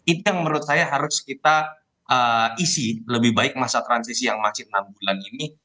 itu yang menurut saya harus kita isi lebih baik masa transisi yang masih enam bulan ini